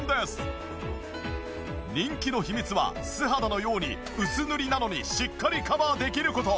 人気の秘密は素肌のように薄塗りなのにしっかりカバーできる事。